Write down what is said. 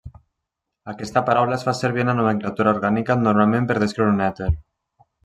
Aquesta paraula es fa servir en la nomenclatura orgànica normalment per a descriure un èter.